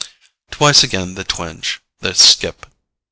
Twice again the twinge, the skip.